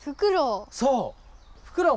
そう！